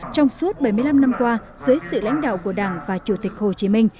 trong suốt bảy mươi năm năm qua dưới sự lãnh đạo của đảng và chủ tịch hồ chí minh